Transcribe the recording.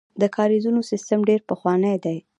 د کاریزونو سیسټم ډیر پخوانی دی